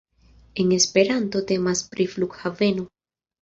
En Esperanto temas pri Flughaveno.